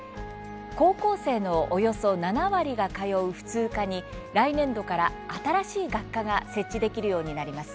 高校生のおよそ７割が通う普通科に来年度から新しい学科が設置できるようになります。